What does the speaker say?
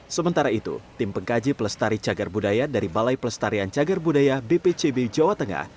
sementara itu tim pengkaji pelestari cagar budaya dari balai pelestarian cagar budaya bpcb jawa tengah